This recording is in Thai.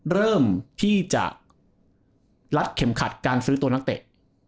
เริ่มที่จะลัดเข็มขัดการซื้อตัวนักเตะ